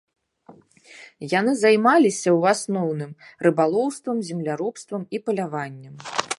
Яны займаліся, у асноўным, рыбалоўствам, земляробствам і паляваннем.